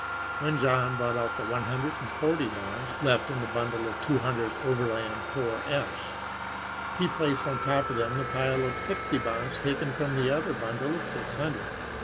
When John brought out the one hundred and forty bonds left in the bundle of two hundred Overland 4s he placed on top of them the pile of sixty bonds taken from the other bundle of six hundred.